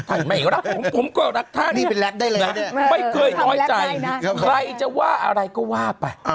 ท่านไม่รักผมก็รักท่านไม่เคยน้อยใจใครจะว่าอะไรก็ว่าไป